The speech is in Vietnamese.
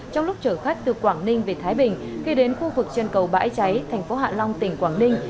trong lúc chở khách từ quảng ninh về thái bình khi đến khu vực trên cầu bãi cháy thành phố hạ long tỉnh quảng ninh